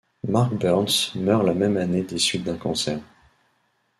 Mark Burns meurt la même année des suites d'un cancer.